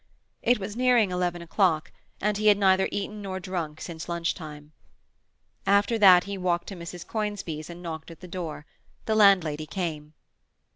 It was nearing eleven o'clock, and he had neither eaten nor drunk since luncheon. After that he walked to Mrs. Conisbee's, and knocked at the door. The landlady came.